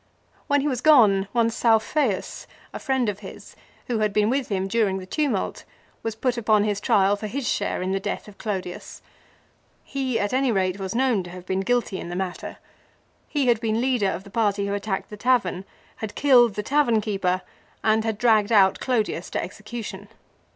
When he was gone one Saufeius, a friend of his, who had been with him during the tumult, was put upon his trial for his share in the death of Clodius. He at any rate was known to have been guilty 76 LIFE OF CICERO. in the matter. He had been leader of the party who attacked the tavern, had killed the tavern keeper, and had dragged out Clodius to execution.